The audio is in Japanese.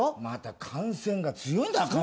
また感染が強いんだ！